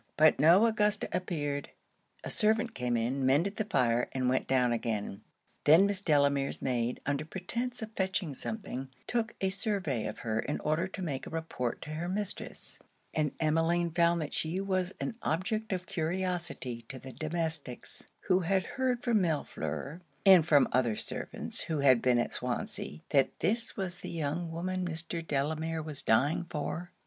But no Augusta appeared. A servant came in, mended the fire, and went down again; then Miss Delamere's maid, under pretence of fetching something, took a survey of her in order to make a report to her mistress; and Emmeline found that she was an object of curiosity to the domesticks, who had heard from Millefleur, and from the other servants who had been at Swansea, that this was the young woman Mr. Delamere was dying for.